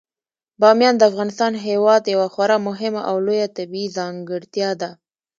بامیان د افغانستان هیواد یوه خورا مهمه او لویه طبیعي ځانګړتیا ده.